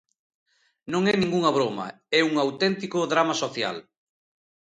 Non é ningunha broma, é un auténtico drama social.